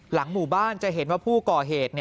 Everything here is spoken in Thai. หลังหมู่บ้านจะเห็นว่าผู้ก่อเหตุ